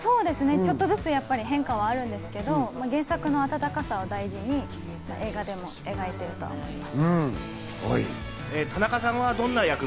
ちょっとずつ変化はあるんですけど、原作のあたたかさを大事に、映画でも描いていると思います。